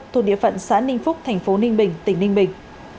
thuộc địa phận xã ninh phúc thành phố ninh bình tỉnh ninh bình